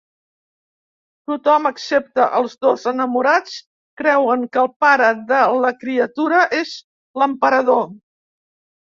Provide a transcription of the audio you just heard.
Tothom excepte els dos enamorats creuen que el pare de la criatura és l'Emperador.